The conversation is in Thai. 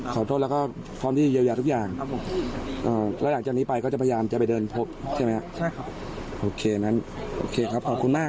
คุณผู้ชมครับ